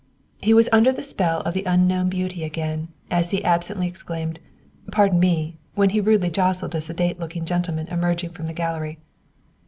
He was under the spell of the unknown beauty again, as he absently exclaimed, "Pardon me!" when he rudely jostled a sedate looking gentleman emerging from the gallery.